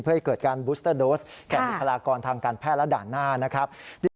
เพื่อให้เกิดการบูสเตอร์โดสแก่บุคลากรทางการแพทย์และด่านหน้านะครับ